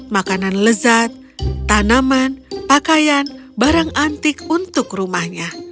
makanan lezat tanaman pakaian barang antik untuk rumahnya